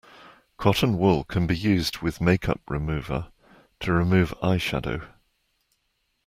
Cotton wool can be used with make-up remover to remove eyeshadow